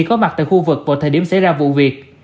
có mặt tại khu vực vào thời điểm xảy ra vụ việc